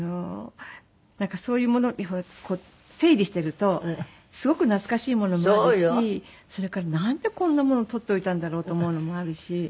なんかそういうもの整理してるとすごく懐かしいものもあるしそれからなんでこんなもの取っておいたんだろう？と思うのもあるし。